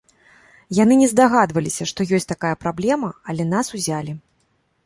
Яны не здагадваліся, што ёсць такая праблема, але нас узялі.